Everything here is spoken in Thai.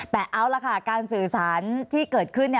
แต่เอาละค่ะการสื่อสารที่เกิดขึ้น